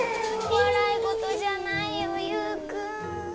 笑いごとじゃないよユウくん。